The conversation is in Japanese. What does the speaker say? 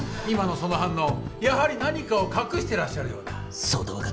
今のその反応やはり何かを隠してらっしゃるようだ。